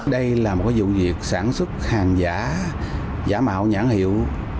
đây là một vụ việc sản xuất hàng giả giả mạo nhãn hiệu